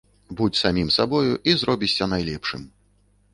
Будзь самім сабою і зробішся найлепшым.